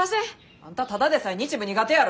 あんたただでさえ日舞苦手やろ。